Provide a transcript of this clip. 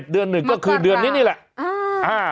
เดือนหนึ่งก็คือเดือนนี้นี่แหละ